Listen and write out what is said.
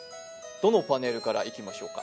どのパネルからいきましょうか？